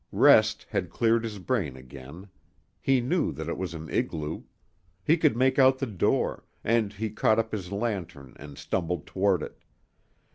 Rest had cleared his brain again. He knew that it was an igloo. He could make out the door, and he caught up his lantern and stumbled toward it.